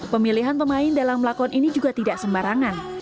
pemilihan pemain dalam lakon ini juga tidak sembarangan